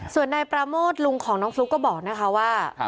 ส่วนนายปราโมทลุงของน้องฟลุ๊กก็บอกนะคะว่า